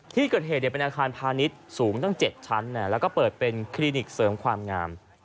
ที่เกิดเหตุเป็นอาคารพาณิชย์สูงตั้ง๗ชั้นแล้วก็เปิดเป็นคลินิกเสริมความงาม